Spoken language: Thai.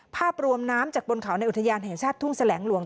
ภาพรวมน้ำจากบนเขาในอุทยานแห่งชาติทุ่งแสลงหลวง